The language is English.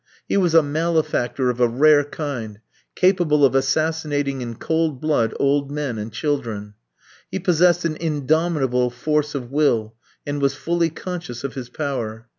He was a malefactor of a rare kind, capable of assassinating in cold blood old men and children. He possessed an indomitable force of will, and was fully conscious of his power.